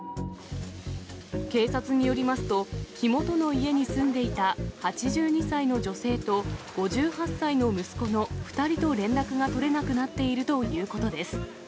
警察によりますと、火元の家に住んでいた８２歳の女性と、５８歳の息子の２人と連絡が取れなくなっているということです。